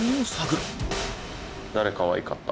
誰かわいかった？